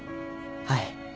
はい。